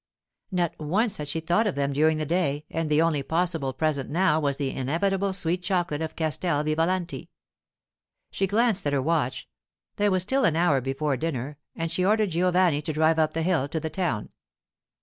Not once had she thought of them during the day, and the only possible present now was the inevitable sweet chocolate of Castel Vivalanti. She glanced at her watch; there was still an hour before dinner, and she ordered Giovanni to drive up the hill to the town.